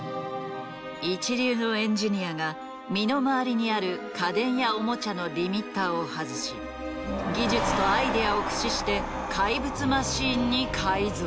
一流のエンジニアが身の回りにある家電やオモチャのリミッターを外し技術とアイデアを駆使して怪物マシンに改造。